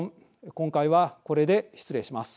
今回はこれで失礼します。